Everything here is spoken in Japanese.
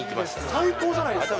最高じゃないですか。